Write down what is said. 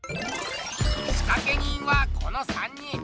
しかけ人はこの３人。